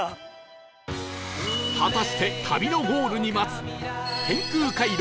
果たして旅のゴールに待つ天空回廊